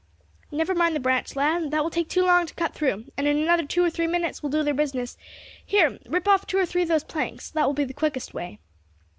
"Never mind the branch, lad, that will take too long to cut through, and another two or three minutes will do their business; here, rip off two or three of those planks, that will be the quickest way."